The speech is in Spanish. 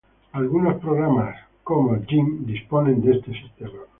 Algunos programas como Adobe Photoshop disponen de este sistema.